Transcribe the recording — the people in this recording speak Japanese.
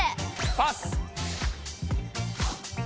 パス！